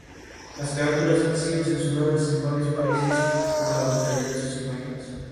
Las carátulas han sido censuradas en varios países por la brutalidad de sus imágenes.